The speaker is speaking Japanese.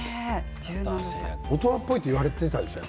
大人っぽいと言われていたでしょう？